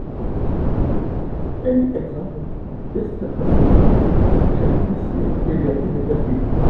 An example of these separate paths can be seen early in the first game.